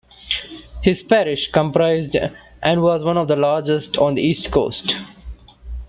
His parish comprised and was one of the largest on the East Coast.